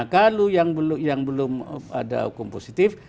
kalau yang belum ada hukum positif